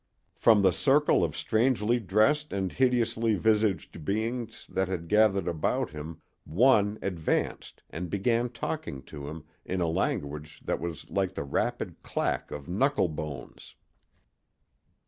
From the circle of strangely dressed and hideously visaged beings that had gathered about him one advanced and began talking to him in a language that was like the rapid clack of knuckle bones.